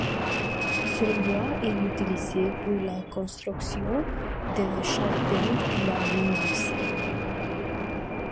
Son bois est utilisé pour la construction de charpente et la menuiserie.